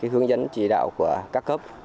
hướng dẫn chỉ đạo của các cấp